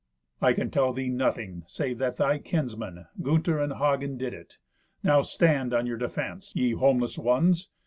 "I can tell thee nothing, save that thy kinsmen, Gunther and Hagen, did it. Now stand on your defence, ye homeless ones.